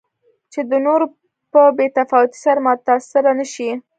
چې د نورو په بې تفاوتۍ سره متأثره نه شي.